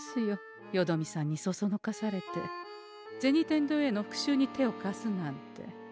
よどみさんにそそのかされて銭天堂へのふくしゅうに手を貸すなんて。